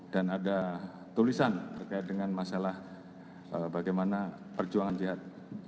dan ada tulisan berkait dengan masalah bagaimana perjuangan jihad